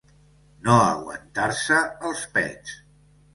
No aguantar-se els pets.